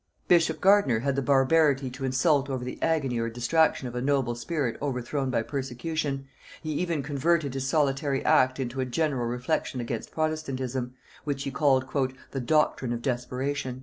Bishop Gardiner had the barbarity to insult over the agony or distraction of a noble spirit overthrown by persecution; he even converted his solitary act into a general reflection against protestantism, which he called "the doctrine of desperation."